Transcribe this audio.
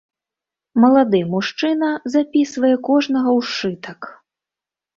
Малады мужчына запісвае кожнага ў сшытак.